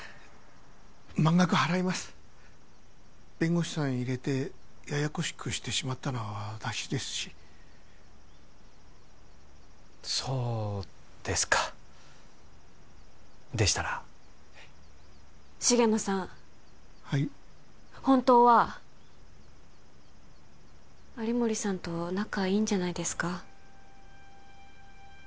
満額払います弁護士さん入れてややこしくしてしまったのは私ですしそうですかでしたらはい重野さんはい本当は有森さんと仲いいんじゃないですか？